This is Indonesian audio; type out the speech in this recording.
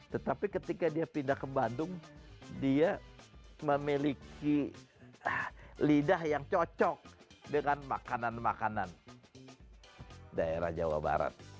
tetapi ketika dia pindah ke bandung dia memiliki lidah yang cocok dengan makanan makanan daerah jawa barat